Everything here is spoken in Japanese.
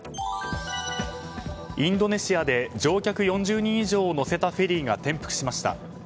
インドネシアで乗客４０人以上を乗せたフェリーが転覆しました。